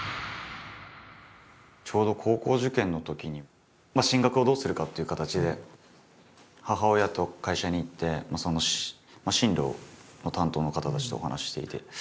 ちょうど高校受験のときに進学をどうするかっていう形で母親と会社に行って進路の担当の方たちとお話ししていて。